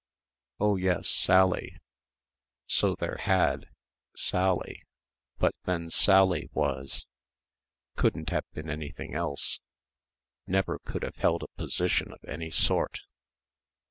Oh yes Sally so there had Sally but then Sally was couldn't have been anything else never could have held a position of any sort.